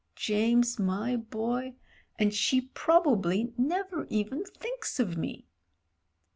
James, my boy, and she probably never even thinks of me."